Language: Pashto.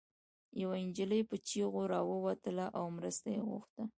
يوه انجلۍ په چيغو راووتله او مرسته يې غوښته